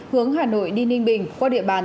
hướng hà nội đi ninh bình qua địa bàn